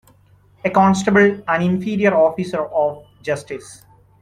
A constable an inferior officer of justice.